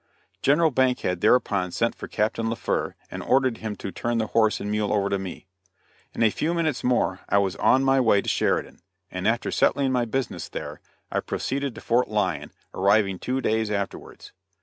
General Bankhead thereupon sent for Captain Laufer and ordered him to turn the horse and mule over to me. In a few minutes more I was on my way to Sheridan, and after settling my business there, I proceeded to Fort Lyon, arriving two days afterwards.